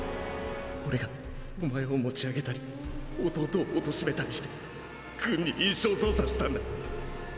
俺がお前を持ち上げたり弟を貶めたりして軍に印象操作したんだ！